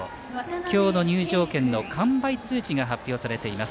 今日の入場券の完売通知が発表されています。